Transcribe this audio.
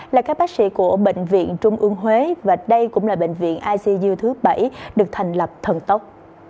là các bác sĩ của bệnh viện trung ương huế và đây cũng là bệnh viện icu thứ bảy được thành lập thần tốc